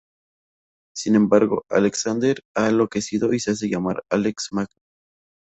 Sin embargo, Alexander ha enloquecido y se hace llamar "Alex Magno".